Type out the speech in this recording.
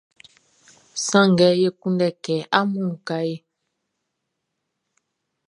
Sanngɛ e kunndɛ kɛ amun uka e.